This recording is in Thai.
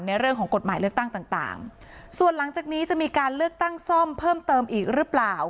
เรื่องของกฎหมายเลือกตั้งต่างต่างส่วนหลังจากนี้จะมีการเลือกตั้งซ่อมเพิ่มเติมอีกหรือเปล่า